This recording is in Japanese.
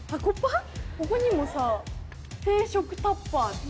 ここにもさ「定食・タッパー」って。